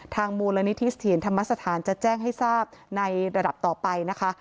มูลนิธิเสถียรธรรมสถานจะแจ้งให้ทราบในระดับต่อไปนะคะ